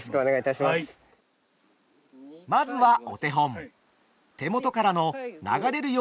まずはお手本。